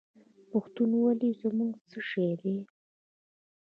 پښتونولي زموږ څه شی دی؟